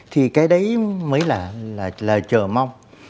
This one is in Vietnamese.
thì cái đấy mới là lời chờ mong